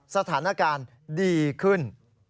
สถานการณ์ดีขึ้น